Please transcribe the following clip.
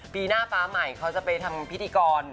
ปีหน้าฟ้าใหม่เขาจะไปทำพิธีกร